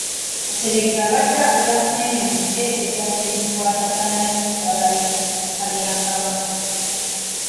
Kateregga abadde akola kinene mu nteeseganya ezikwatagana n’okugaba liizi ku ttaka ly’Obwakabaka.